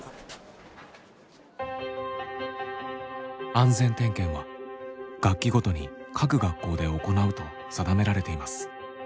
安全点検は学期ごとに各学校で行うと定められています。